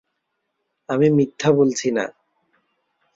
আমি মিথ্যা বলছি না।